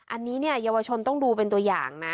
อันนี้เนี่ยเยาวชนต้องดูเป็นตัวอย่างนะ